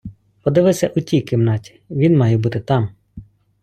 Подивися у тій кімнаті, він має бути там.